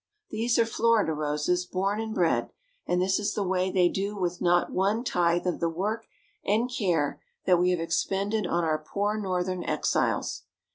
These are Florida roses, born and bred; and this is the way they do with not one tithe of the work and care that we have expended on our poor Northern exiles.